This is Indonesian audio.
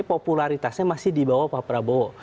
popularitasnya masih di bawah pak prabowo